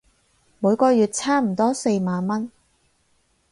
每個月差唔多四萬文